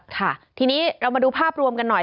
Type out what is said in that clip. ค่ะทีนี้เรามาดูภาพรวมกันหน่อย